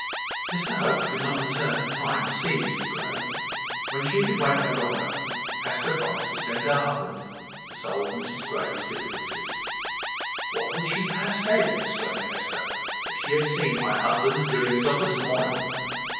Mr Hope did not return in time to see Mrs Grey. When she could wait no longer, Hester promised to send her husband to solve Mrs Grey's difficulties. "What would she have said," exclaimed Hester, "if she had seen my husband's doings of this morning?"